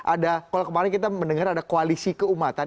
ada kalau kemarin kita mendengar ada koalisi keumatan